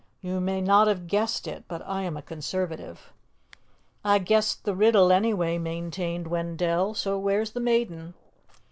You may not have guessed it but I am a conservative." "I guessed the riddle, anyway," maintained Wendell, "so where's the Maiden?"